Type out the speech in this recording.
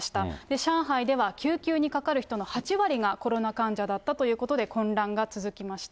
上海では救急にかかる人の８割がコロナ患者だったということで、混乱が続きました。